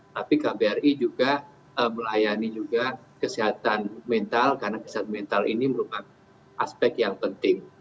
tapi kbri juga melayani juga kesehatan mental karena kesehatan mental ini merupakan aspek yang penting